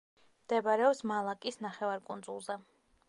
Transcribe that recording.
მდებარეობს მალაკის ნახევარკუნძულზე.